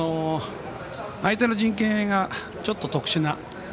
相手の陣形がちょっと特殊な。